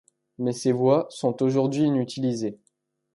Mais ces voies sont aujourd'hui inutilisées.